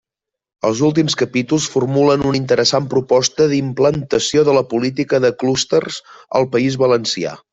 Els últims capítols formulen una interessant proposta d'implantació de la política de clústers al País Valencià.